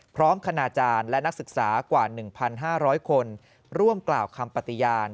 คณาจารย์และนักศึกษากว่า๑๕๐๐คนร่วมกล่าวคำปฏิญาณ